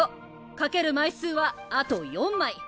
描ける枚数はあと４枚！